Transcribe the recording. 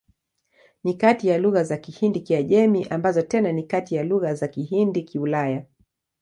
Ni kati ya lugha za Kihindi-Kiajemi, ambazo tena ni kati ya lugha za Kihindi-Kiulaya.